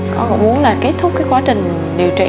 con cũng muốn là kết thúc cái quá trình điều trị